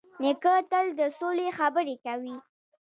نیکه تل د سولې خبرې کوي.